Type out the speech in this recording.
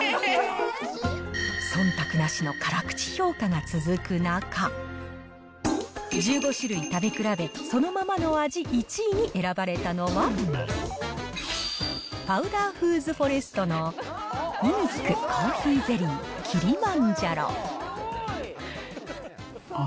そんたくなしの辛口評価が続く中、１５種類食べ比べ、そのままの味１位に選ばれたのは、パウダーフーズフォレストのイニックコーヒーゼリーキリマンジャロ。